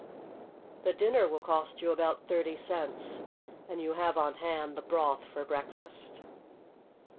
The dinner will cost you about thirty cents, and you have on hand the broth for breakfast.